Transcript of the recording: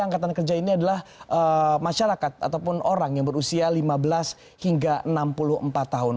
angkatan kerja ini adalah masyarakat ataupun orang yang berusia lima belas hingga enam puluh empat tahun